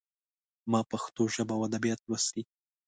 ما پښتو ژبه او ادبيات لوستي.